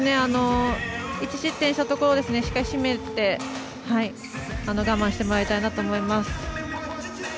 １失点したところをしっかり締めて我慢してもらいたいなと思います。